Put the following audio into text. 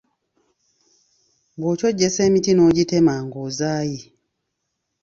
Bw’okyojjesa emiti n’ogitema ng’ozaaye.